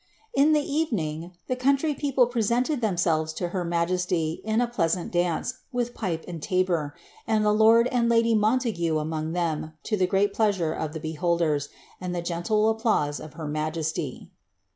In the evening, the country people presented themselves to her majesty, in a pleasant dance, with pipe and tabor, and the lord and lady Momasue among them, to the great pleasure of the beholders, and the geuilf applause of her majesiy."